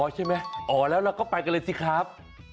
ใช่ไหมอ๋อแล้วเราก็ไปกันเลยสิครับ